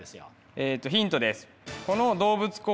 えとヒントです。